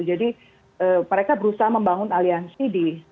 jadi mereka berusaha membangun aliansi